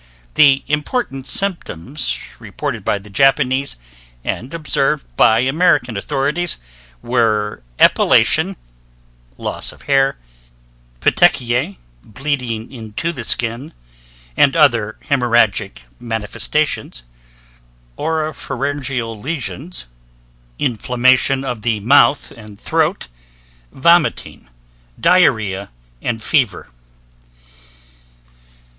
The important symptoms reported by the Japanese and observed by American authorities were epilation (lose of hair), petechiae (bleeding into the skin), and other hemorrhagic manifestations, oropharyngeal lesions (inflammation of the mouth and throat), vomiting, diarrhea, and fever.